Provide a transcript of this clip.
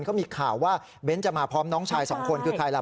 เขามีข่าวว่าเบ้นจะมาพร้อมน้องชายสองคนคือใครล่ะ